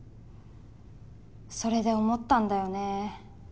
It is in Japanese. それで思ったんだよね。